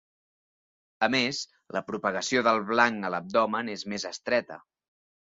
A més, la propagació del blanc a l'abdomen és més estreta.